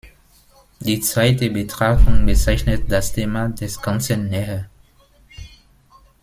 Die zweite Betrachtung bezeichnet das Thema des Ganzen näher.